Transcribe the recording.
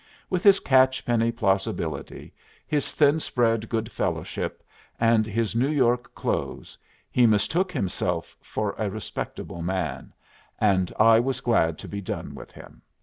With his catch penny plausibility, his thin spread good fellowship, and his New York clothes, he mistook himself for a respectable man, and I was glad to be done with him.